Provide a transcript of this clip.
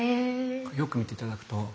よく見て頂くと。